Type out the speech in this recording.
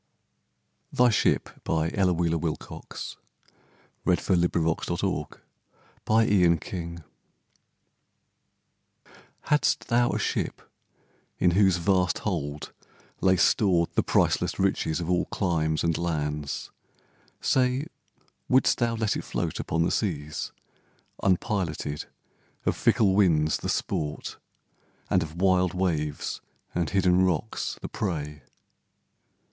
s while the poor man's needs Grow deeper as years roll by! THY SHIP Hadst thou a ship, in whose vast hold lay stored The priceless riches of all climes and lands, Say, wouldst thou let it float upon the seas Unpiloted, of fickle winds the sport, And of wild waves and hidden rocks the prey?